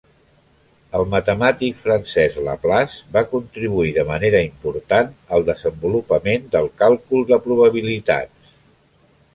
El matemàtic francès Laplace va contribuir de manera important al desenvolupament del càlcul de probabilitats.